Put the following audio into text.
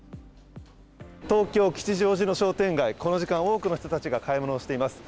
東京・吉祥寺の商店街、この時間、多くの人たちが買い物をしています。